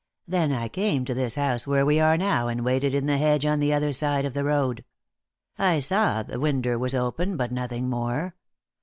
Then I came to this house where we are now and waited in the hedge on the other side of the road. I saw the winder was open, but nothing more.